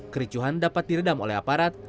kericuhan dapat diredam oleh aparat